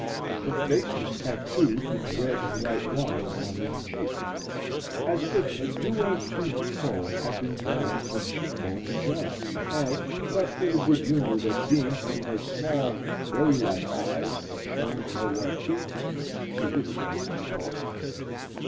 Her face was tattooed with red and white lines on one cheek, as if a duo toothed comb had been drawn from cheek bone to jaw, and, but for the good humor that beamed from her small berry like eyes and shone in her white teeth, would have been repulsive.